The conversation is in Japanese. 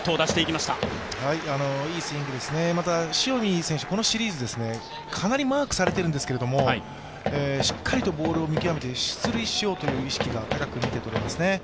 また塩見選手、このシリーズかなりマークされているんですけどしっかりとボールを見極めて、出塁しようという意識が高く見て取れますね。